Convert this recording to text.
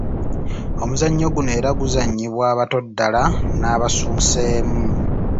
Omuzannyo guno era guzannyibwa abato ddala n’abasuumuuseemu.